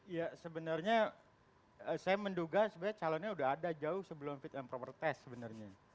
ya sebenarnya saya menduga sebenarnya calonnya sudah ada jauh sebelum fit and proper test sebenarnya